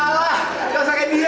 jadi korban kaos kaki gue lagi deh